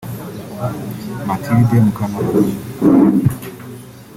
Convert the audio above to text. Mathilde Mukantabana